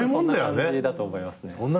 そんな感じだと思いますね。